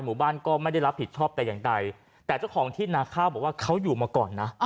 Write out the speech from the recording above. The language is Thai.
หมู่บ้านก็ไม่ได้รับผิดชอบแต่อย่างใดแต่เจ้าของที่นาข้าวบอกว่าเขาอยู่มาก่อนนะ